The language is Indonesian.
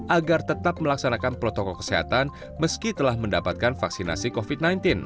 agar tetap melaksanakan protokol kesehatan meski telah mendapatkan vaksinasi covid sembilan belas